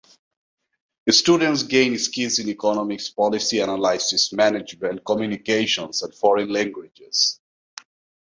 Students gain skills in economics, policy analysis, management, communications, and foreign languages.